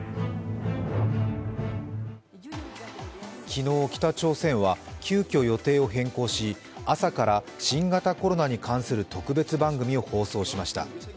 昨日北朝鮮は急きょ予定を変更し朝から新型コロナに関する特別番組を放送しました。